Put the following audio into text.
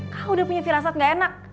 kah udah punya firasat gak enak